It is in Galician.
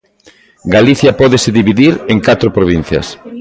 Galicia pódese dividir en catro provincias.